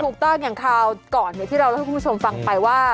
อย่างคราวก่อนที่เราเล่าให้คุณผู้ชมฟังไปว่า